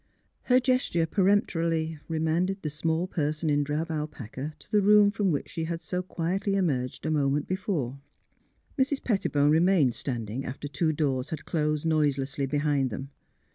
Her gesture peremptorily remanded the small person in drab alpaca to the room from which she had so quietly emerged a moment before. Mrs. Pettibone remained standing after two doors had closed noiselessly behind them.